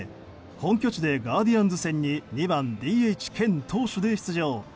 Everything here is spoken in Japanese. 本拠地でガーディアンズ戦に２番ＤＨ兼投手で出場。